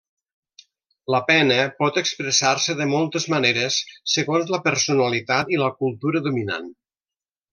La pena pot expressar-se de moltes maneres segons la personalitat i la cultura dominant.